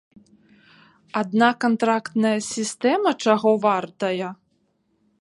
Адна кантрактная сістэма чаго вартая!